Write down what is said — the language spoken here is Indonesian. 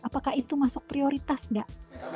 apakah itu masuk prioritas nggak